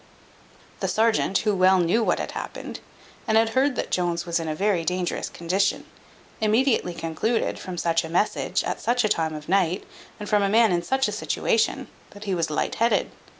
The serjeant, who well knew what had happened, and had heard that Jones was in a very dangerous condition, immediately concluded, from such a message, at such a time of night, and from a man in such a situation, that he was light headed.